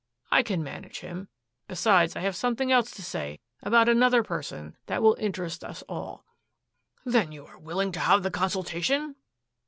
I can manage him. Besides, I have something else to say about another person that will interest us all." "Then you are willing to have the consultation!"